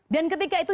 dan ketika itu